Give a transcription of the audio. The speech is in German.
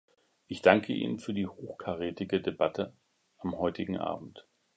Ich danke Ihnen für die hochkarätige Debatte am heutigen Abend.